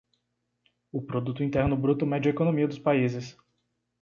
O Produto Interno Bruto mede a economia dos países